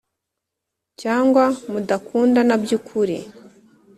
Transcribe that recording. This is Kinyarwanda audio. cyangwa mudakundana by’ukuri,